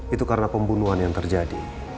itu karena pembunuhan yang terjadi